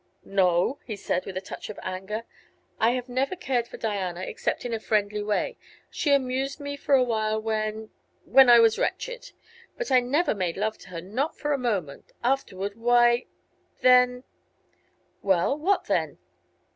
"No," he said, with a touch of anger. "I have never cared for Diana, except in a friendly way. She amused me for a while when when I was wretched. But I never made love to her; not for a moment. Afterward, why then " "Well; what then?"